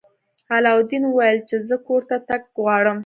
علاوالدین وویل چې زه کور ته تګ غواړم.